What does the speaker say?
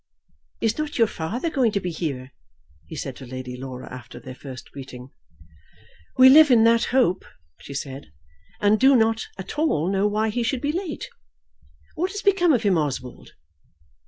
"Is not your father going to be here?" he said to Lady Laura, after their first greeting. "We live in that hope," said she, "and do not at all know why he should be late. What has become of him, Oswald?"